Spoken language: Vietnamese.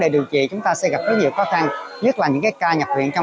kéo dài thì chúng ta đòi hỏi có một thời gian để cho các cháu nó phục hồi